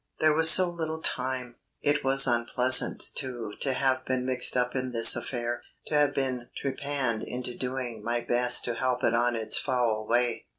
There was so little time. It was unpleasant, too, to have been mixed up in this affair, to have been trepanned into doing my best to help it on its foul way.